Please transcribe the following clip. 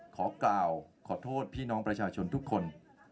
ขอกล่าวขอโทษพี่น้องประชาชนทุกคน